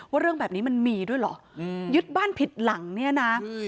เรื่องแบบนี้มันมีด้วยเหรอยึดบ้านผิดหลังเนี่ยนะ